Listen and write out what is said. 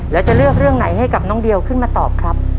แล้วจะเลือกเรื่องไหนให้กับน้องเดียวขึ้นมาตอบครับ